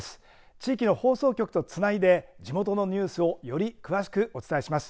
地域の放送局とつないで地元のニュースをより詳しくお伝えします。